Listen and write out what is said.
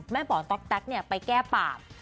แม่หมอต๊อกแต๊กเนี่ยไปแก้ปาบ